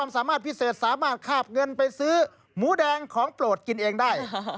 สามารถพิเศษสามารถคาบเงินไปซื้อหมูแดงของโปรดกินเองได้